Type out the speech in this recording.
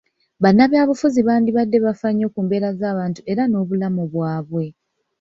Bannabyabufuzi baalibadde bafa nnyo ku mbeera z'abantu era n'obulamu bwabwe.